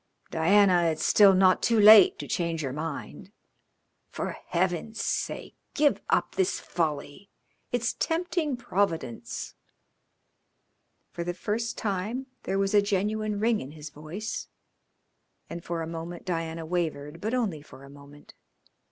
"Diana, it's still not too late to change your mind. For Heaven's sake give up this folly. It's tempting Providence." For the first time there was a genuine ring in his voice, and for a moment Diana wavered, but only for a moment.